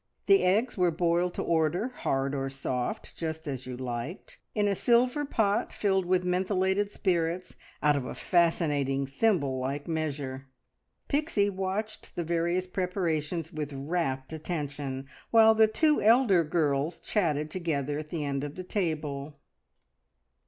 The eggs were boiled to order, hard or soft, just as you liked, in a silver pot filled with methylated spirits out of a fascinating, thimble like measure. Pixie watched the various preparations with rapt attention, while the two elder girls chatted together at the end of the table.